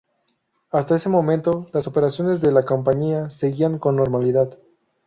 Hasta ese momento, las operaciones de la compañía seguían con normalidad.